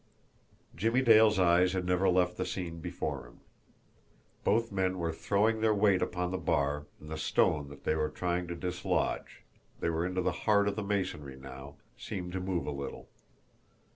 Jimmie Dale's eyes had never left the scene before him. Both men were throwing their weight upon the bar, and the stone that they were trying to dislodge they were into the heart of the masonry now seemed to move a little.